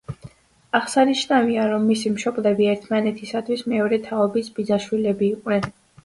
აღსანიშნავია, რომ მისი მშობლები ერთმანეთისათვის მეორე თაობის ბიძაშვილები იყვნენ.